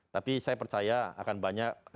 tapi saya percaya akan banyak